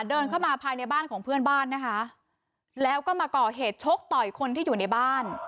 เดินเข้ามาภายในบ้านของเพื่อนบ้านนะคะแล้วก็มาก่อเหตุชกต่อยคนที่อยู่ในบ้าน